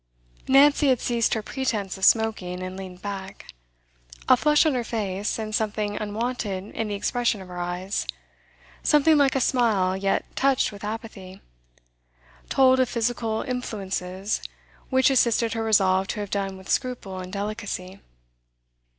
Nancy had ceased her pretence of smoking, and leaned back. A flush on her face, and something unwonted in the expression of her eyes, something like a smile, yet touched with apathy, told of physical influences which assisted her resolve to have done with scruple and delicacy.